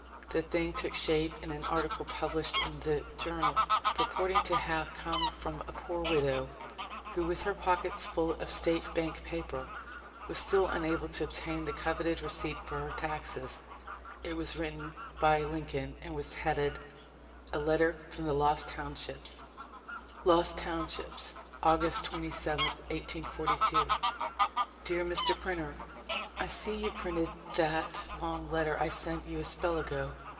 The thing took shape in an article pub lished in the Journal, purporting to have come from a poor widow, who with her pockets full of State Bank paper was still unable to obtain the coveted receipt for her taxes. It was written by Lincoln and was headed : A letter from the Lost Townships. Lost Townships, August 27, 1842. Dear Mr. Printer, I see you printed that long letter I sent you a spell ago.